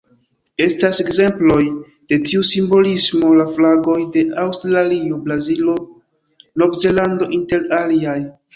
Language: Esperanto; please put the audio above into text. Estas ekzemploj de tiu simbolismo la flagoj de Aŭstralio, Brazilo, Novzelando, inter aliaj.